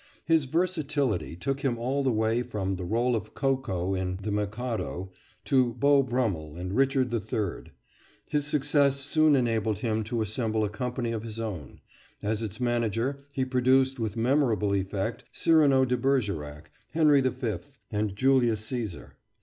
His versatility took him all the way from the role of Koko in the "Mikado," to Beau Brummel and Richard III. His success soon enabled him to assemble a company of his own; as its manager he produced with memorable effect "Cyrano de Bergerac," "Henry V.," and "Julius Caesar."